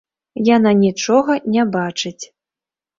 Яна нічога не бачыць.